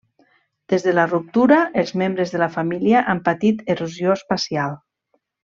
Des de la ruptura, els membres de la família han patit erosió espacial.